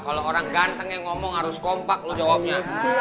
kalau orang ganteng yang ngomong harus kompak loh jawabnya